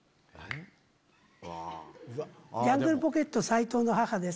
ジャングルポケット・斉藤の母です